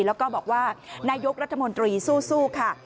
แล้วก็บอกว่านายกรัฐมนตรีสู้ค่ะ